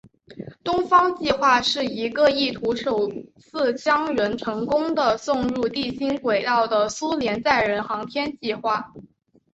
东方计划是一个意图首次将人成功地送入地心轨道的苏联载人航天计划。